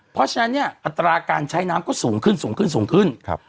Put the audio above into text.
เพราะฉะนั้นเนี่ยอัตราการใช้น้ำก็สูงขึ้นสูงขึ้นสูงขึ้นครับ